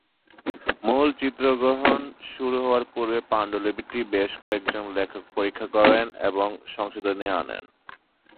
মূল চিত্রগ্রহণ শুরু হওয়ার পূর্বে পাণ্ডুলিপিটি বেশ কয়েকজন লেখক পরীক্ষা করেন এবং সংশোধনী আনেন।